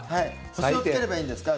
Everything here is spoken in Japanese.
星をつければいいんですか？